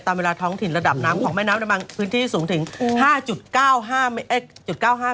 เวลาท้องถิ่นระดับน้ำของแม่น้ำในบางพื้นที่สูงถึง๕๙๕